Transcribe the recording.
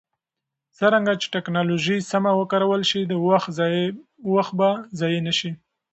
څرنګه چې ټکنالوژي سمه وکارول شي، وخت به ضایع نه شي.